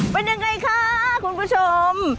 เป็นยังไงคะคุณผู้ชม